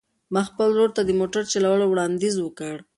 ما خپل ورور ته د موټر د چلولو وړاندیز وکړ.